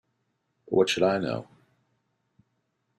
But what should I know?